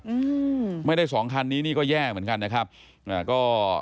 อืมไม่ได้สองคันนี้นี่ก็แย่เหมือนกันนะครับอ่าก็